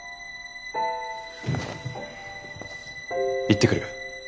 行ってくる。